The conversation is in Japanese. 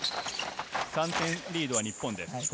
３点リードは日本です。